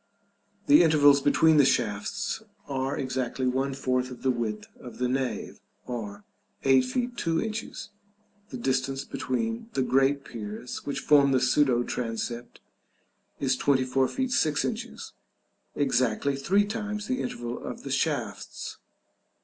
The intervals between the shafts are exactly one fourth of the width of the nave, or 8 feet 2 inches, and the distance between the great piers which form the pseudo transept is 24 feet 6 inches, exactly three times the interval of the shafts.